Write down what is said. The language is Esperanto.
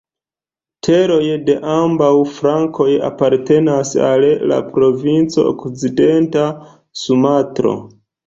Teroj de ambaŭ flankoj apartenas al la provinco Okcidenta Sumatro.